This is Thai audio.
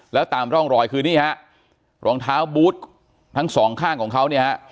แล้วตามร่องรอยคือนี่ฮะรองเท้าบูธทั้งสองข้างของเขาเนี่ยฮะ